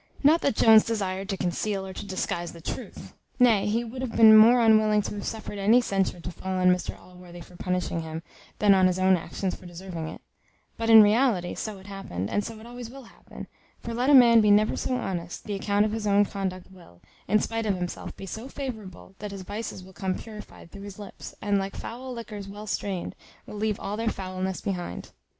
Not that Jones desired to conceal or to disguise the truth; nay, he would have been more unwilling to have suffered any censure to fall on Mr Allworthy for punishing him, than on his own actions for deserving it; but, in reality, so it happened, and so it always will happen; for let a man be never so honest, the account of his own conduct will, in spite of himself, be so very favourable, that his vices will come purified through his lips, and, like foul liquors well strained, will leave all their foulness behind.